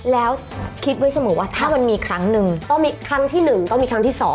แล้วคิดไว้เสมอว่าถ้ามันมีครั้งหนึ่งต้องมีครั้งที่๑ต้องมีครั้งที่๒